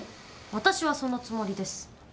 私はそのつもりです。